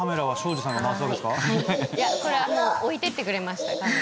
藤本：これは、もう置いてってくれました。